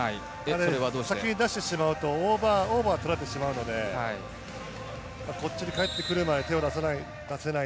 先に出してしまうとオーバーを取られてしまうので、こっちに返ってくるまで手を出せない。